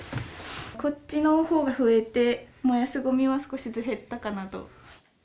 こっちのほうが増えて、燃やすごみは少しずつ減ったかなと。